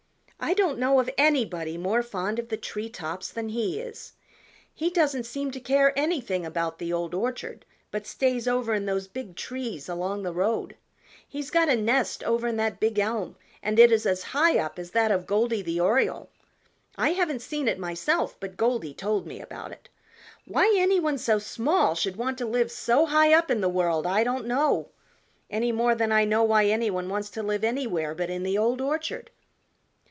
I don't know of anybody more fond of the tree tops than he is. He doesn't seem to care anything about the Old Orchard, but stays over in those big trees along the road. He's got a nest over in that big elm and it is as high up as that of Goldy the Oriole; I haven't seen it myself, but Goldy told me about it. Why any one so small should want to live so high up in the world I don't know, any more than I know why any one wants to live anywhere but in the Old Orchard."